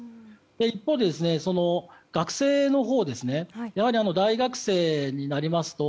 一方で、学生のほうやはり大学生になりますと